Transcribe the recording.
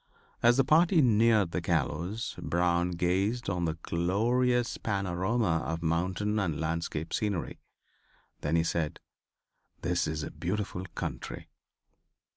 As the party neared the gallows Brown gazed on the glorious panorama of mountain and landscape scenery. Then he said: "This is a beautiful country."